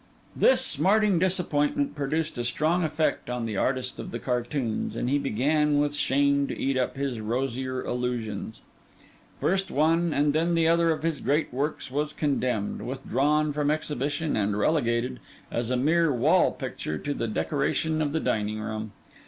This smarting disappointment produced a strong effect on the artist of the cartoons; and he began with shame to eat up his rosier illusions. First one and then the other of his great works was condemned, withdrawn from exhibition, and relegated, as a mere wall picture, to the decoration of the dining room.